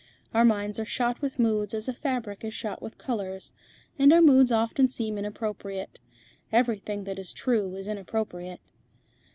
Our minds are shot with moods as a fabric is shot with colours, and our moods often seem inappropriate. Everything that is true is inappropriate."